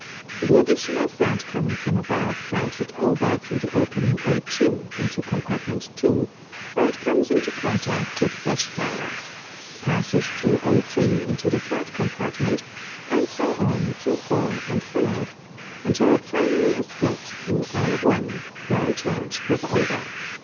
The additional fat coming from above drives it over through the opening O_ into compartment 2, where it comes in contact with fresh flowers, passes through O_ into the third compartment, and so on through 4 and 5, until it finally escapes through R_ well charged with odor.